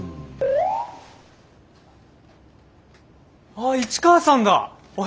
あっ市川さんだ！